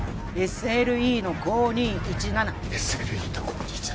ＳＬＥの５２１７ＳＬＥの５２１７